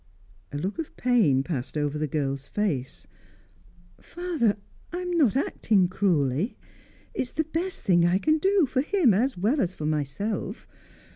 A look of pain passed over the girl's face. "Father I am not acting cruelly. It is the best thing I can do, for him as well as for myself.